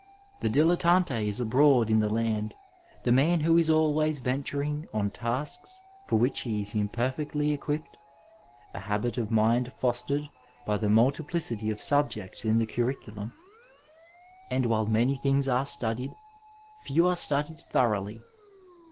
The dilettante is abroad in the land, the man who is always venturing on tasks for which he is imperfectly equipped, a habit of mind fostered by the multiplicity of subjects in the curriculum ; and while many things are studied, few are studied thoroughly.